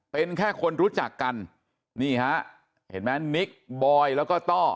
เป็นแค่คนรู้จักกันนี่ฮะเห็นไหมนิกบอยแล้วก็ต้อ